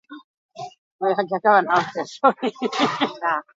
Bataila erabakigarria zen Bigarren Gerra Karlista erabakitzeko.